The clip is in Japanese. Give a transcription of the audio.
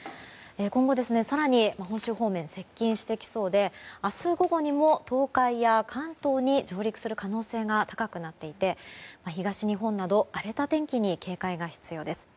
今後、更に本州方面に接近してきそうで明日午後にも東海や関東に上陸する可能性が高くなっていて東日本など荒れた天気に警戒が必要です。